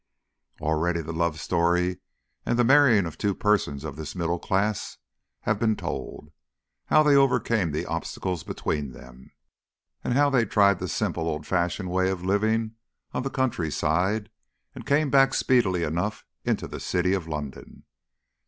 Already the love story and the marrying of two persons of this middle class have been told: how they overcame the obstacles between them, and how they tried the simple old fashioned way of living on the countryside and came back speedily enough into the city of London.